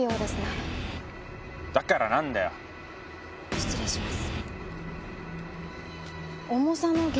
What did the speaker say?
失礼します。